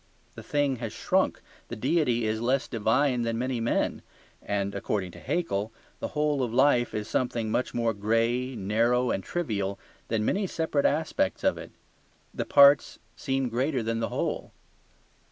The thing has shrunk. The deity is less divine than many men; and (according to Haeckel) the whole of life is something much more grey, narrow, and trivial than many separate aspects of it. The parts seem greater than the whole.